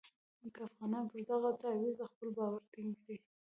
که افغانان پر دغه تعویض خپل باور ټینګ کړي.